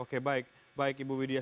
oke baik baik ibu widya